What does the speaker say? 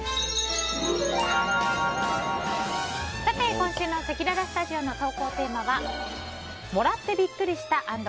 今週のせきららスタジオの投稿テーマはもらってびっくりした＆